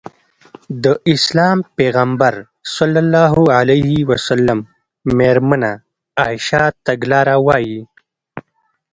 د اسلام پيغمبر ص مېرمنه عايشه تګلاره وايي.